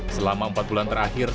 selama empat bulan terakhir